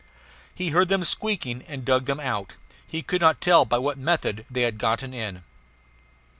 He heard them squeaking and dug them out; he could not tell by what method they had gotten in.